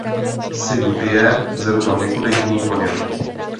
Syn Pierre zemřel několik dní po něm.